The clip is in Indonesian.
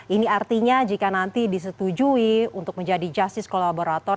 ini artinya jika nanti disetujui untuk menjadi justice kolaborator